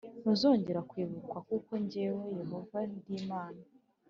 Ntuzongera kwibukwa kuko jyewe yehova ndimana